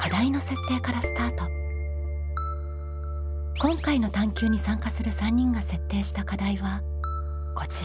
今回の探究に参加する３人が設定した課題はこちら。